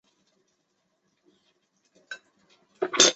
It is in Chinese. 柑桔皱叶刺节蜱为节蜱科皱叶刺节蜱属下的一个种。